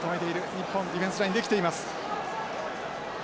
日本ディフェンスライン出来ています。